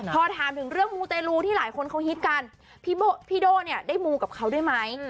พอถามถึงเรื่องมูเตรลูที่หลายคนเขาฮิตกันพี่โด่เนี่ยได้มูกับเขาด้วยไหม